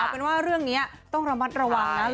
เป็นว่าเรื่องนี้ต้องระมัดระวังนะ